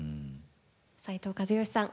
斉藤和義さん